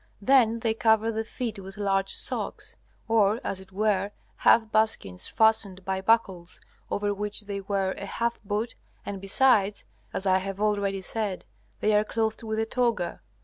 Then they cover the feet with large socks, or, as it were, half buskins fastened by buckles, over which they wear a half boot, and besides, as I have already said, they are clothed with a toga.